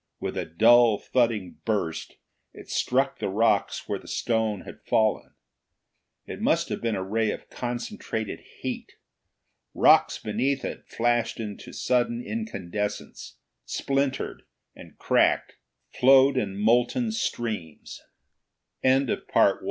With a dull, thudding burst it struck the rocks where the stone had fallen. It must have been a ray of concentrated heat. Rocks beneath it flashed into sudden incandescence, splintered and cracked, flowed in molten streams. In a